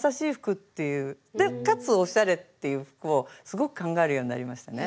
でかつおしゃれっていう服をすごく考えるようになりましたね。